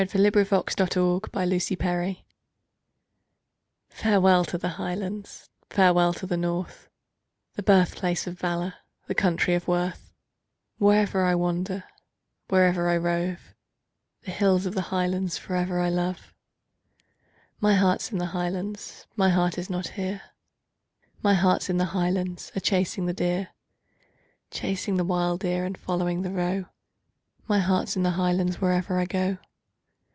Song—Farewell to the Highlands FAREWELL to the Highlands, farewell to the North, The birth place of Valour, the country of Worth; Wherever I wander, wherever I rove, The hills of the Highlands for ever I love. Chorus.—My heart's in the Highlands, my heart is not here, My heart's in the Highlands, a chasing the deer; Chasing the wild deer, and following the roe, My heart's in the Highlands, wherever I go.